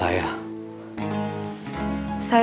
ami sudah tanya